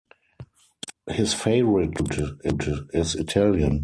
His favorite food is Italian.